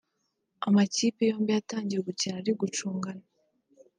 Amakipe yombi yatangiye gukina ari gucungana